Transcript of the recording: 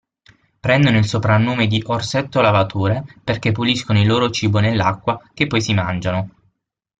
Prendono il soprannome di "orsetto lavatore" perché puliscono il loro cibo nell'acqua che poi si mangiano.